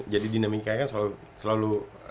jadi dinamikanya selalu